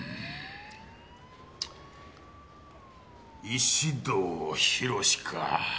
石堂浩か。